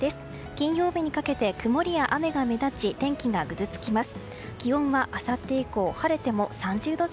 金曜日にかけて曇りや雨が目立ち天気がぐずつきます。